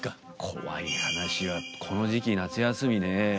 コワい話はこの時期夏休みね